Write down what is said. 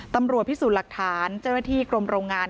ตำรวจพิสูจน์หลักฐานเจ้าหน้าที่กรมโรงงาน